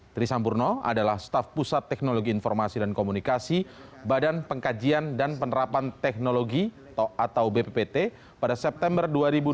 trisampurno adalah staff pusat teknologi informasi dan komunikasi badan pengkajian dan penerapan teknologi atau bppt pada september dua ribu dua puluh